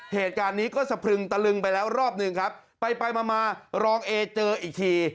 เหตุการณ์นี้ก็สะพรึงตะลึงไปแล้วรอบหนึ่งครับไปไปมามารองเอเจออีกที